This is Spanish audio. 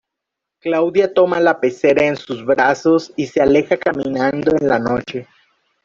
Claudia toma la pecera en sus brazos y se aleja caminando en la noche.